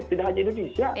tidak hanya indonesia